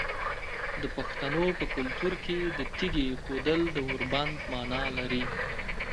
د پښتنو په کلتور کې د تیږې ایښودل د اوربند معنی لري.